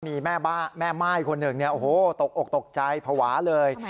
มีแม่ม่ายคนหนึ่งเนี่ยโอ้โหตกอกตกใจภาวะเลย